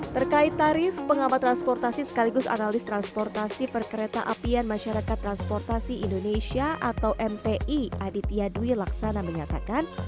terkait tarif pengamat transportasi sekaligus analis transportasi perkereta apian masyarakat transportasi indonesia atau mti aditya dwi laksana menyatakan